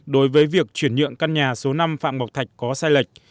đối với việc chuyển nhượng căn nhà số năm phạm ngọc thạch có sai lệch